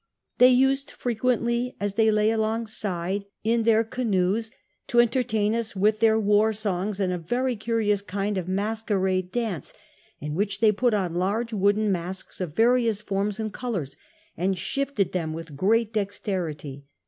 ''Phey used frequently as they lay alongside in their 136 CAPTAIN COOK chap. canoes to entertain us with their war songs and a very curious kind of masquerade dance, in which they put on laige wooden masks of various forms and colours, and shifted them with great dexterity.